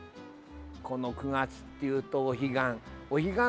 この９月っていうと、お彼岸。